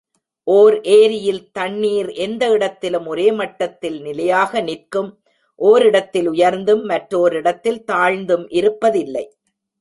ஓர் ஏரியில் தண்ணீர் எந்த இடத்திலும் ஒரே மட்டத்தில் நிலையாக நிற்கும் ஓரிடத்தில் உயர்ந்தும் மற்றோரிடத்தில் தாழ்ந்தும் இருப்பதில்லை.